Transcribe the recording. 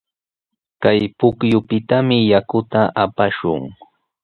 Kay pukyupitami yakuta apashun.